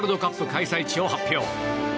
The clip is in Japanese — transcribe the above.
開催地を発表。